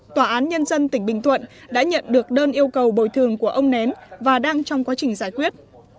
tòa án nhân dân tỉnh bình thuận đã nhận được đơn yêu cầu bồi thường của ông nén và đang trong quá trình giải quyết